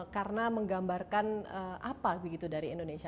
karena menggambarkan apa begitu dari indonesia